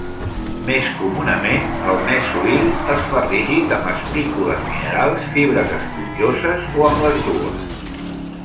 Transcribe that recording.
Més comunament, el mesohil es fa rígid amb espícules minerals, fibres esponjoses o amb les dues.